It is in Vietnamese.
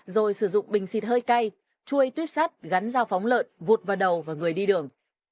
rồi sử dụng bình xịt hơi cay chuôi tuyếp sắt gắn dao phóng lợn vụt vào đầu và người đi đường